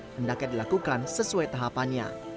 hendaknya dilakukan sesuai tahapannya